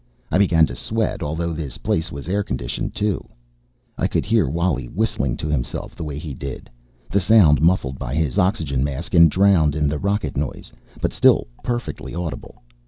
I began to sweat, although this place was air conditioned, too. I could hear Wally whistling to himself the way he did, the sound muffled by his oxygen mask and drowned in the rocket noise, but still perfectly audible.